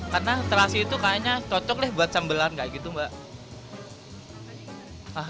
karena terasi itu kayaknya cocok deh buat sambelan nggak gitu mbak